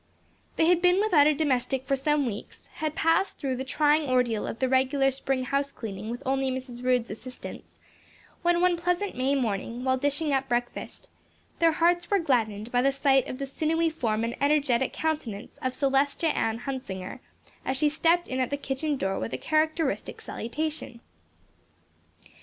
They had been without a domestic for some weeks, had passed through the trying ordeal of the regular spring house cleaning with only Mrs. Rood's assistance, when one pleasant May morning, while dishing up breakfast, their hearts were gladdened by the sight of the sinewy form and energetic countenance of Celestia Ann Hunsinger as she stepped in at the kitchen door with a characteristic salutation.